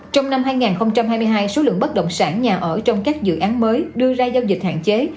trong năm hai nghìn hai mươi hai số lượng bất động sản nhà ở trong các dự án mới đưa ra giao dịch hạn chế